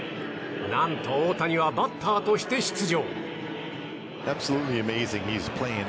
何と、大谷はバッターとして出場。